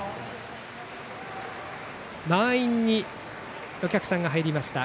満員にお客さんが入りました。